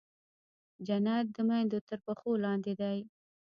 جنت د مېندو تر پښو لاندې دی.